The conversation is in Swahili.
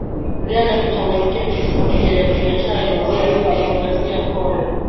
Uganda kuchangamkia fursa mpya za kibiashara Jamhuri ya Kidemokrasia ya Kongo